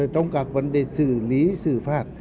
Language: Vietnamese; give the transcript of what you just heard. trong các vấn đề xử lý xử phạt